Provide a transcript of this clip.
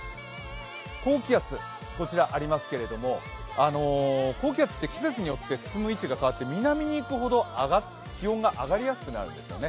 高気圧、こちらありますけれども高気圧って季節によって進む位置が変わって、南にいくほど気温が上がりやすくなるんですよね。